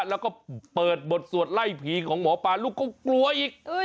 แล้วก็เปิดบทสวดไล่ผีของหมอปลาลูกก็กลัวอีก